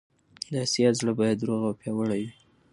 د اسیا زړه باید روغ او پیاوړی وي.